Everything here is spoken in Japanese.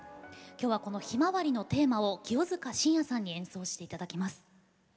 きょうは、この「ひまわり」のテーマ曲を清塚信也さんに演奏していただきます。